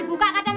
enggak sini sini